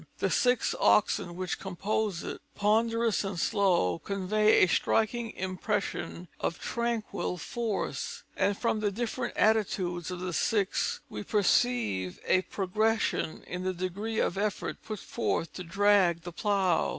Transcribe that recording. The six oxen which compose it, ponderous and slow, convey a striking impression of tranquil force: and from the different attitudes of the six, we perceive a progression in the degree of effort put forth to drag the plough.